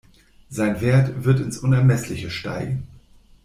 Sein Wert wird ins Unermessliche steigen.